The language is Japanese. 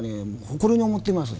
誇りに思ってます